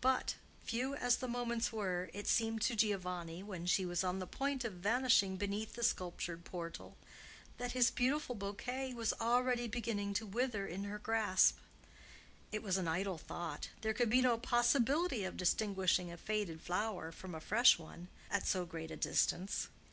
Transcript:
But few as the moments were, it seemed to Giovanni, when she was on the point of vanishing beneath the sculptured portal, that his beautiful bouquet was already beginning to wither in her grasp. It was an idle thought; there could be no possibility of distinguishing a faded flower from a fresh one at so great a distance.